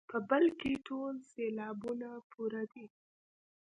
په بل کې ټول سېلابونه پوره دي.